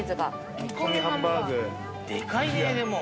煮込みハンバーグ、でかいね。